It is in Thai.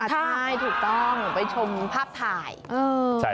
ใช่ถูกต้องไปชมภาพถ่าย